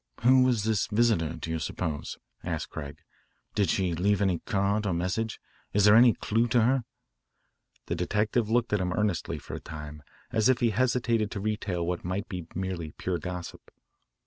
"Who was this visitor, do you suppose?" asked Craig. "Did she leave any card or message? Is there any clue to her?" The detective looked at him earnestly for a time as if he hesitated to retail what might be merely pure gossip.